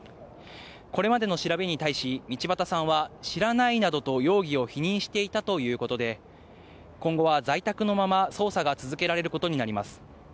これまでの調べに対し、道端さんは、知らないなどと容疑を否認していたということで、今後は在宅のまま捜査が続けられることになります。